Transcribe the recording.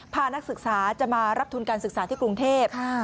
พานักศึกษาจะมารับทุนการศึกษาที่กรุงเทพ